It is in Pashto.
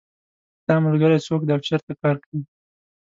د تا ملګری څوک ده او چېرته کار کوي